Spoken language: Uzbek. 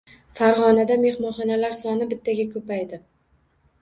Farg‘onada mehmonxonalar soni bittaga ko‘paydi